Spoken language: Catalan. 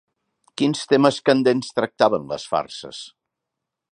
Quins temes candents tractaven les farses?